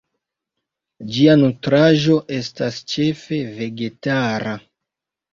Ĝia nutraĵo estas ĉefe vegetara.